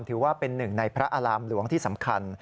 ถือว่าเป็นหนึ่งในพระอารามหลวงที่สำคัญ